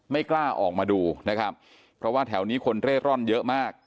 ไม่กล้าออกมาดูนะครับเพราะว่าแถวนี้คนเร่ร่อนเยอะมาก